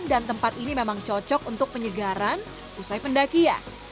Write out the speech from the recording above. dan tempat ini memang cocok untuk penyegaran pusai pendakian